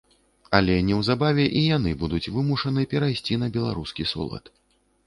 Але неўзабаве і яны будуць вымушаны перайсці на беларускі солад.